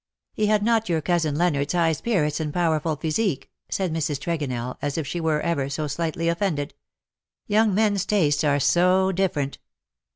" He had not your cousin Leonard's high spirits and powerful physique,^' said Mrs. Tregonell, as if she were ever so slightly offended. " Young men's tastes are so different.''